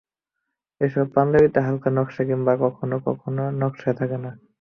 এসব পাঞ্জাবিতে হালকা নকশা কিংবা কখনো কখনো কোনো নকশাই থাকে না।